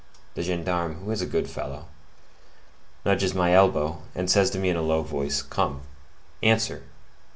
The gendarme, who is a good fellow, nudges my elbow, and says to me in a low voice, 'Come, answer!